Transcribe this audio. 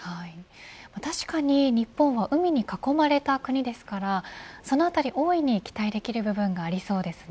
確かに日本は海に囲まれた国ですから、そのあたり大いに期待できる部分もありそうですね。